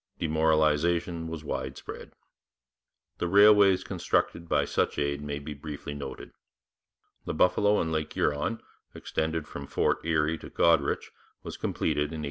Demoralization was widespread. The railways constructed by such aid may be briefly noted. The Buffalo and Lake Huron, extending from Fort Erie to Goderich, was completed in 1858.